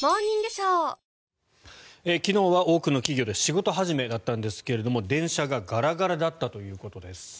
昨日は多くの企業で仕事始めだったんですけれども電車がガラガラだったということです。